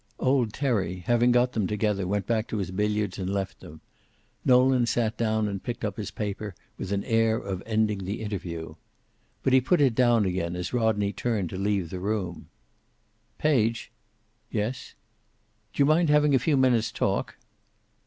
Old Terry, having got them together, went back to his billiards and left them. Nolan sat down and picked up his paper, with an air of ending the interview. But he put it down again as Rodney turned to leave the room. "Page!" "Yes?" "D'you mind having a few minutes talk?"